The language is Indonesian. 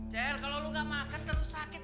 cel kalo lu nggak makan terus sakit